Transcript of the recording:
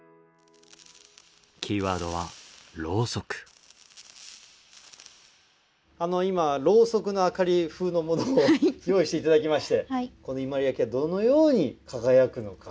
キーワードは今ろうそくの明かり風のものを用意して頂きましてこの伊万里焼がどのように輝くのか。